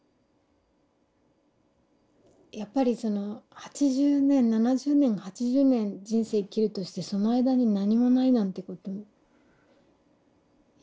やっぱりその８０年７０年８０年人生生きるとしてその間に何もないなんてことよっぽどじゃないとないから。